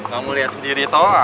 kamu lihat sendiri tau